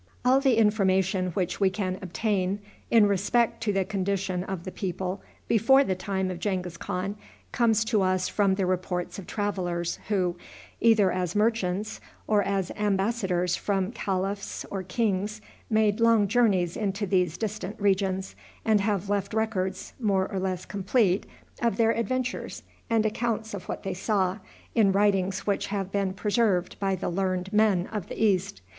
All the information which we can obtain in respect to the condition of the people before the time of Genghis Khan comes to us from the reports of travelers who, either as merchants, or as embassadors from caliphs or kings, made long journeys into these distant regions, and have left records, more or less complete, of their adventures, and accounts of what they saw, in writings which have been preserved by the learned men of the East.